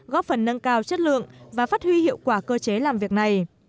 góp phần nâng cao chất lượng và phát huy hiệu quả cơ chế làm việc này